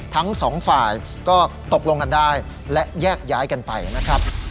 ทั้งสองฝ่ายก็ตกลงกันได้และแยกย้ายกันไปนะครับ